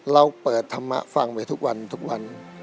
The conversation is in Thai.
เราเปิดธรรมะฟังไว้ทุกวัน